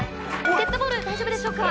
デッドボール大丈夫でしょうか？